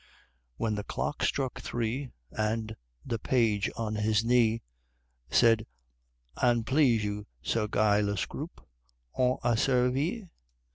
When the clock struck Three, And the Page on his knee Said, "An't please you, Sir Guy Le Scroope, On a servi!"